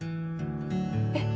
えっ？